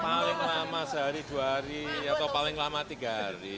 paling lama sehari dua hari atau paling lama tiga hari